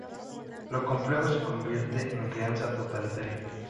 Lo complejo se convierte en crianza totalitaria.